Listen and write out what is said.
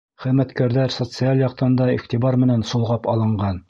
Хеҙмәткәрҙәр социаль яҡтан да иғтибар менән солғап алынған.